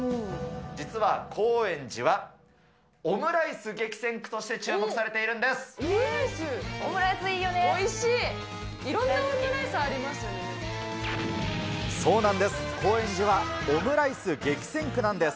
実は、高円寺はオムライス激戦区として注目されているんです。